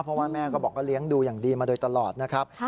เพราะว่าแม่ก็บอกว่าเลี้ยงดูอย่างดีมาโดยตลอดนะครับ